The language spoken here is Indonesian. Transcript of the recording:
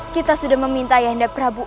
kita sudah meminta ayah anda prabu